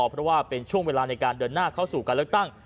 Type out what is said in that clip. เพราะว่าเป็นช่วงเวลาในการเดินหน้าเข้าสู่การเลือกตั้ง